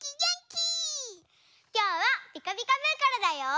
きょうは「ピカピカブ！」からだよ。